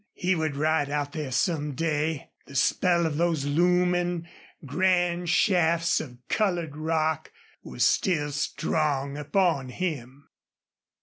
He would ride out there some day. The spell of those looming grand shafts of colored rock was still strong upon him.